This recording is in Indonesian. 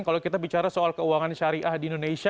kalau kita bicara soal keuangan syariah di indonesia